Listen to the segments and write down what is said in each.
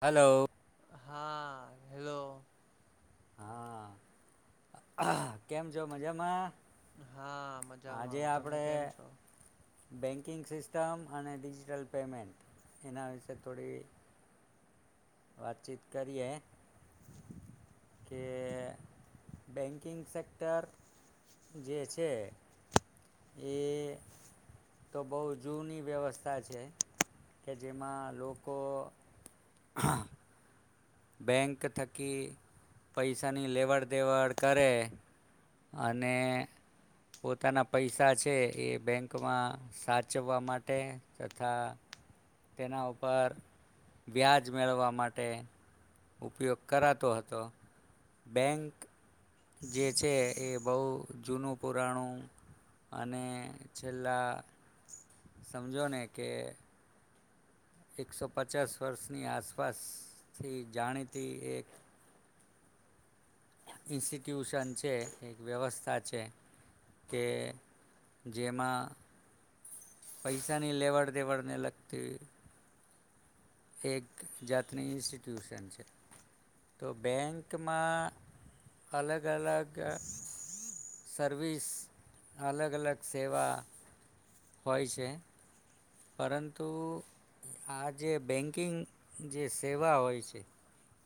Hello. હા hello. હા કેમ છો? મજામાં. હા આજે મજામાં, તમે કેમ છો? કિંગ સિસ્ટમ અને ડિજિટલ પેમેન્ટ એના વિશે થોડી વાતચીત કરીએ. કે બેન્કિંગ સેક્ટર જે છે, એ તો બહુ જૂની વ્યવસ્થા છે. કે જેમાં લોકો બેંક થકી પૈસાની લેવડ દેવડ કરે. અને પોતાના પૈસા છે એ બેંકમાં સાચવા માટે તથા તેના ઉપર વ્યાજ મેળવવા માટે ઉપયોગ કરાતો હતો, બેંક જે છે એ બહુ જૂનું પુરાણું અને છેલ્લા જો ને કે એકસો પચાસ વર્ષની આસપાસથી જાણીતી એક ઇન્સ્ટિટ્યુશન છે એક વ્યવસ્થા છે. કે જેમાં પૈસા ની લેવડ દેવડને લગતી એક જાતની ઇન્સ્ટિટ્યુશન છે. તો બેંકમાં અલગ અલગ સર્વિસ, અલગ અલગ સેવા હોય છે. પરંતુ આ જે બેંકિંગ જે સેવા હોય છે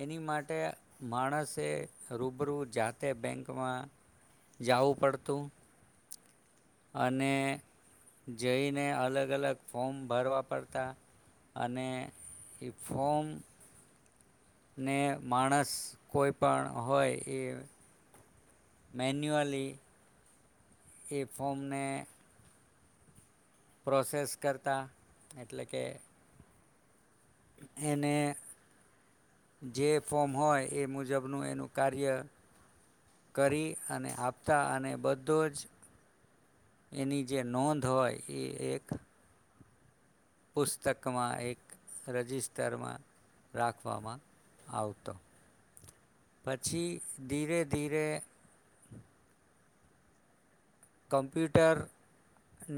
એની માટે માણસે રૂબરૂ જાતે બેંકમાં જવું પડતું. અને જઈને અલગ અલગ ફોર્મ ભરવા પડતા, અને એ ફોર્મ ને માણસ કોઈ પણ હોય એ મેન્યુઅલી એ ફોર્મને પ્રોસેસ કરતા. એટલે કે એને જે ફોર્મ હોય એ મુજબનું એનું કાર્ય કરી અને આપતા, અને બધો જ એની જે નોંધ હોય એ એક પુસ્તકમાં એક રજિ સ્તરમાં રાખવામાં આવતો, પછી ધીરે ધીરે કોમપ્યુટર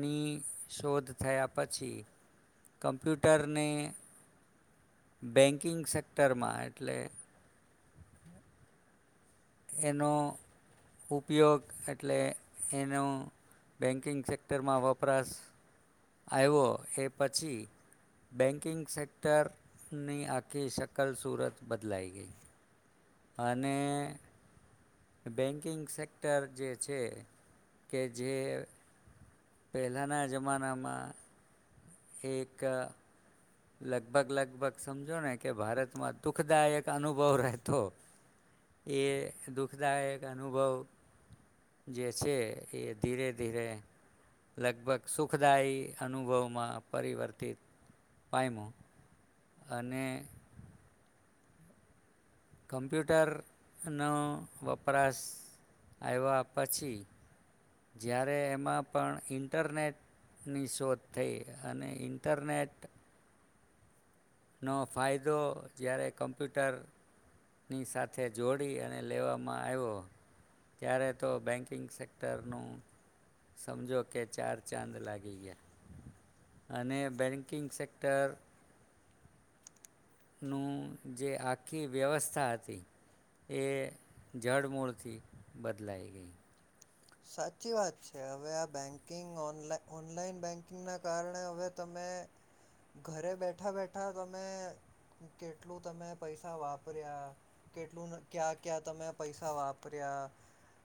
ની શોધ થયા પછી, કમ્પ્યુટરને બેન્કિંગ સેક્ટરમાં એટલે એનો ઉપયોગ એટલે, એનું બેન્કિંગ સેક્ટરમાં વપરાશ આયવો એ પછી, બેન્કિંગ સેક્ટરની આખી સકલ સુરત બદલાઈ ગઈ. અને બેંન્કિંગ સેક્ટર જે છે કે જે પહેલાના જમાનામાં એક લગભગ લગભગ સમજો ને કે ભારતમાં દુઃખદાયક અનુભવ રહેતો. એ દુઃખ દાયક અનુભવ જે છે એ ધીરે ધીરે લગભગ સુખદાયી અનુભવમાં પરિવર્તિત પાયમુ. અને. કમ્પ્યુટરનો વપરાશ આયવા પછી જ્યારે એમાં પણ ઈન્ટરનેટની શોધ થઈ અને ઈન્ટરનેટ. નો ફાયદો જ્યારે કમ્પ્યુટરની સાથે જોડી અને લેવામાં આયવો ત્યારે તો બેૅંકિંગ સેક્ટરનું સમજો કે ચાર ચાંદ લાગી ગયા અને બેૅંકિંગ સેક્ટર. નું જે આખી વ્યવસ્થા હતી એ જડમૂળથી બદલાઈ ગઈ. સાચી વાત છે હવે આ બેંકિંગ ઓન ઓનલાઈન બેંકિંગના કારણે હવે તમે ઘરે બેઠા બેઠા તમે કેટલું તમે પૈસા વાપર્યા કેટલું ક્યા ક્યાં તમે પૈસા વાપર્યા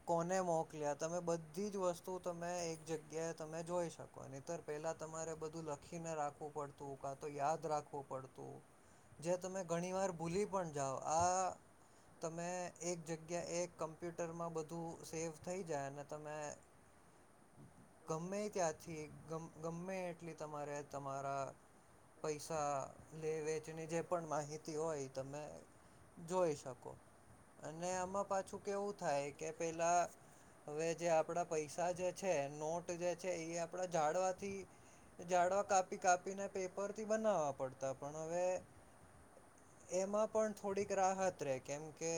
કોને મોકલ્યા. તમે બધી જ વસ્તુ તમે એક જગ્યાએ તમે જોઈ શકો નતર પેલા તમારે બધું લખીને રાખવું પડતું કા તો યાદ રાખવું પડતું જે તમે ઘણી વાર ભૂલી પણ જાઓ આ તમે એક જગ્યા એક કમ્પ્યુટરમાં બધું સેવ થઈ. તમે ગમે ત્યાંથી ગમે એટલી તમારે તમારા પૈસા લે વેચની જે પણ માહિતી હોય એ તમે જોઈ શકો અને આમાં પાછું કેવું થાય કે પેલા. હવે આપડા પૈસા જે છે નોટ જે છે એ આપડા જાડવાથી જાડવા કાપી કાપીને પેપરથી બનાવવા પડતા પણ હવે એમાં પણ થોડીક રાહત રે કેમકે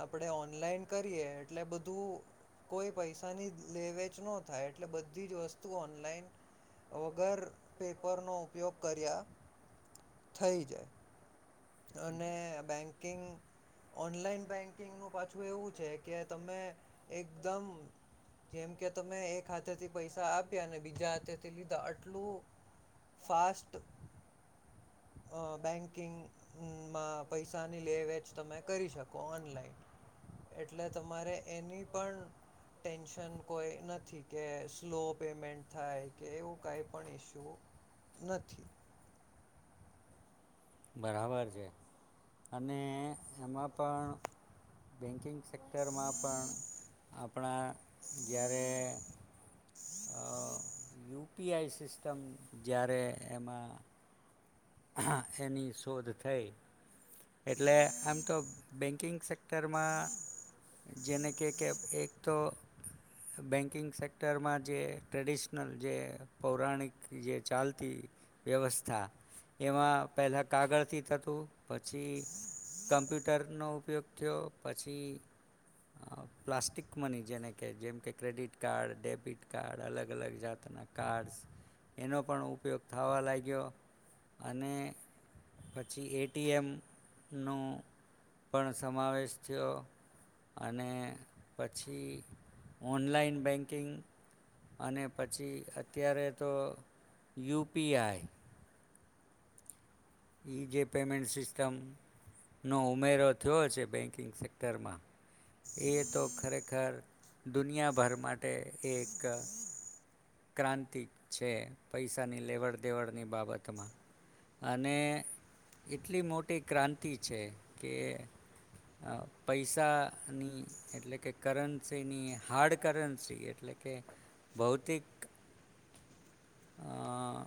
આપણેે ઓનલાઈન કરીએ એટલે બધું. કોઈ પૈસાની લે વેચ જ ન થાય એટલે બધી જ વસ્તુ ઓનલાઈન વગર પેપરનો ઉપયોગ કર્યા થઈ જાય. અને બેંક. િંગ ઓનલાઈન બેંકિંગ નું પાછું એવું છે કે તમે એકદમ જેમ કે તમે એક હાથેથી પૈસા આપ્યા અને બીજા હાથેથી લીધા આટલું ફાસ્ટ બેંકિંગ. માં પૈસાની લે વેચ તમે કરી શકો ઓનલાઈન એટલે તમારે એની પણ ટેન્શન કોઈ નથી કે સ્લો પેમેન્ટ થાય કે એવું કઈ પણ ઈસ્યુ નથી. બરાબર છે અને એમાં પણ બેંન્કિંગ સેક્ટરમાં પણ આપણા જ્યારે યુપીઆઈ સિસ્ટમ જ્યારે એમાં. એની શોધ થઈ એટલે આમ તો બેન્કિંગ સેક્ટરમાં જેને કે કે એક તો બેંકિંગ સેક્ટરમાં જે ટ્રેડિશનલ જે પૌરાણિક જે ચાલતી વ્યવસ્થા. એમાં પહેલાં કાગળથી થતું પછી કમ્પ્યુટરનો ઉપયોગ થયો પછી પ્લાસ્ટિક મની જેને કે જેમ કે ક્રેડિટ કાર્ડ ડેબિટ કાર્ડ અલગ અલગ જાતના કાર્ડ્સ એનો પણ ઉપયોગ થવા લાગ્યો. અને પછી એટીએમનો પણ સમાવેશ થયો અને પછી ઓનલાઈન બેંકિંગ. અને પછી અત્યારે તો યુપીઆઈ. એ જે પેમેન્ટ સિસ્ટમનો ઉમેરો થયો છે બેંકિંગ સેક્ટરમાં એ તો ખરેખર દુનિયાભર માટે એક. ક્રાંતિ છે પૈસાની લેવડ દેવડની બાબતમાં અને એટલી મોટી ક્રાંતિ છે કે પૈસાની એટલે કે કરન્સીની હાર્ડ કરન્સી એટલે કે ભૌતિક. અ,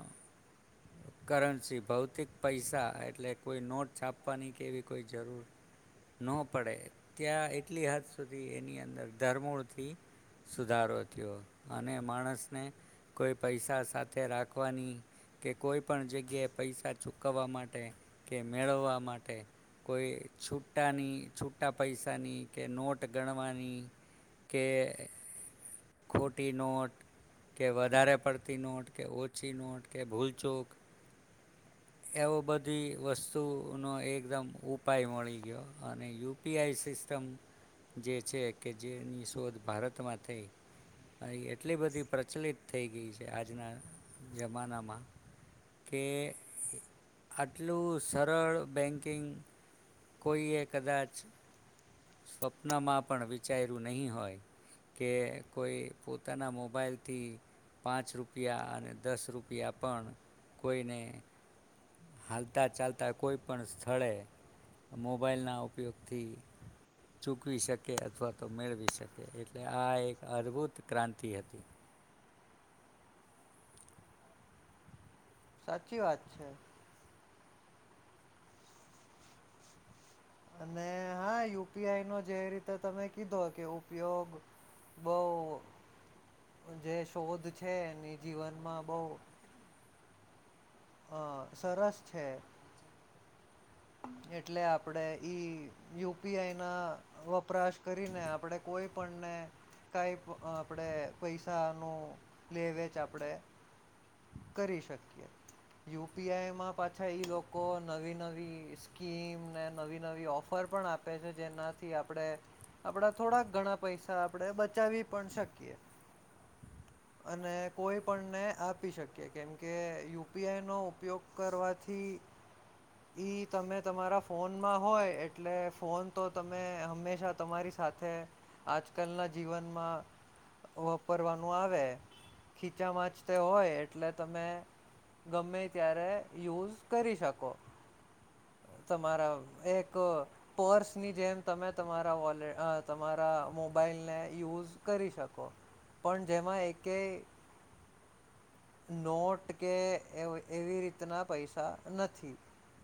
કરન્સી ભૌતિક પૈસા એટલે કોઈ નોટ છાપવાની કેવી કોઈ જરૂર ન પડે ત્યાં એટલી હદ સુધી એની અંદર ધરમૂળથી સુધારો થયો અને માણસને કોઈ પૈસા સાથે રાખવાની. કે કોઈપણ જગ્યાએ પૈસા ચૂકવવા માટે કે મેળવવા માટે કોઈ છૂટાની છૂટા પૈસાની કે નોટ ગણવાની કે. ખોટી નોટ કે વધારે પડતી નોટ કે ઓછી નોટ કે ભૂલચોક એવો બધી વસ્તુનો એકદમ ઉપાય મળી ગયો અને યુપીઆઈ સિસ્ટમ જે છે કે જેની શોધ ભારતમાં થઈ. એટલી બધી પ્રચલિત થઈ ગઈ છે આજના જમાનામાં કે આટલું સરળ બેંકિંગ. કોઈએ કદાચ સ્વપ્નમાં પણ વિચાર્યું નહીં હોય કે કોઈ પોતાના મોબાઈલથી પાંચ રૂપિયા અને દસ રૂપિયા પણ કોઈને. હાલતા ચાલતા કોઈ પણ સ્થળે મોબાઈલના ઉપયોગથી ચૂકવી શકે અથવા તો મેળવી શકે એટલે આ એક અદભુત ક્રાંતિ હતી. સાચી વાત છે. અને હા યુપીઆઈ નો જે રીતે તમે કીધો કે ઉપયોગ બઉ જે શોધ છે એની જીવનમાં બઉ. હ સરસ છે. એટલે આપણેે ઈ યુપીઆઈ ના વપરાશ કરીને આપણેે કોઈ પણને કઈ આપણેે પૈસા નું લે વેચ આપણેે કરી શકીએ યુપીઆઈમાં પાછા ઈ લોકો નવી નવી. સ્કીમ ને નવી નવી ઓફર પણ આપે છે જેનાથી આપણે આપણા થોડાક ઘણા પૈસા આપણે બચાવી પણ શકીએ અને કોઈ પણને આપી શકીએ કેમકે યુપીઆઈ નો ઉપયોગ કરવાથી ઈ. તમે તમારા ફોનમાં હોય એટલે ફોન તો તમે હંમેશા તમારી સાથે આજકાલના જીવનમાં વપરવાનું આવે ખીચામાંચતે હોય એટલે તમે ગમે ત્યારે યુઝ કરી શકો. તમારા એક પર્સની જેમ તમે તમારા વોલેટ તમારા મોબાઈલને યુઝ કરી શકો પણ જેમાં એકય. નોટ કે એવી રીતના પૈસા નથી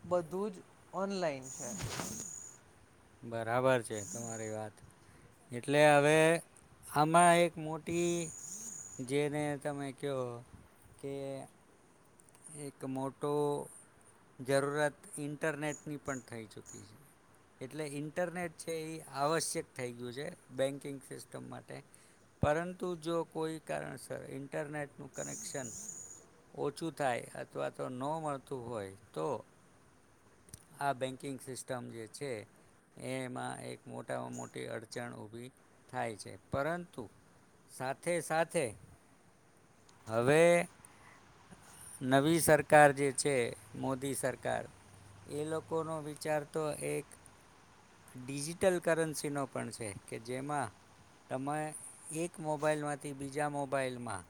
બધું જ ઓનલાઈન છે. બરાબર છે તમારી વાત એટલે હવે આમાં એક મોટી જેને તમે કહો કે. એક મોટો જરૂરત ઇન્ટરનેટની પણ થઈ ચૂકી છે એટલે ઇન્ટરનેટ છે એ આવશ્યક થઈ ગયું છે બેન્કિંગ સિસ્ટમ માટે પરંતુ જો કોઈ કારણસર ઇન્ટરનેટનું કનેક્શન ઓછું. થાય અથવા તો ન મળતું હોય તો આ બેન્કિંગ સિસ્ટમ જે છે એમાં એક મોટામાં મોટી અડચણ ઊભી થાય છે પરંતુ સાથે સાથે. હવે નવી સરકાર જે છે મોદી સરકાર એ લોકોનો વિચાર તો એક. ડિજિટલ કરન્સીનો પણ છે કે જેમાં તમે એક મોબાઈલમાંથી બીજા મોબાઈલમાં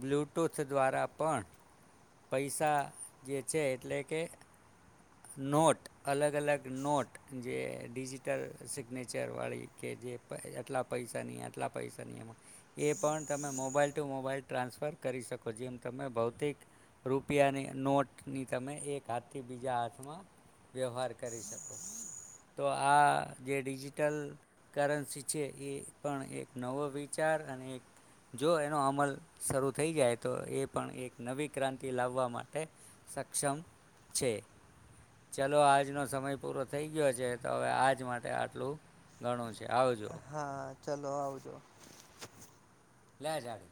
બ્લુટૂથ દ્વારા પણ. પૈસા જે છે એટલે કે. નોટ અલગ અલગ નોટ જે ડિજિટલ સિગ્નેચરવાળી કે જે આટલા પૈસાની આટલા પૈસાની એમાં એ પણ તમે મોબાઈલ ટુ મોબાઈલ ટ્રાન્સફર કરી શકો જેમ તમે ભૌતિક રૂપિયાની નોટની તમે એક હાથથી બીજા હાથ. હાથમાં વ્યવહાર કરી શકો તો આ જે ડિજિટલ કરન્સી છે એ પણ એક નવો વિચાર અને એક જો એનો અમલ શરૂ થઈ જાય તો એ પણ એક નવી ક્રાંતિ લાવવા માટે સક્ષમ છે. ચલો આજનો સમય પૂરો થઈ ગયો છે તો હવે આજ માટે આટલું ઘણું છે. આવજો હા ચલો આવજો. લે જાડ.